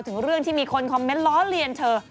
ถึงเรื่องที่มีคนคอมเมนต์ล้อเลียนเธอ